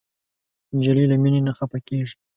نجلۍ له مینې نه خفه کېږي.